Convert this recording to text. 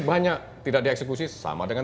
banyak tidak dieksekusi sama dengan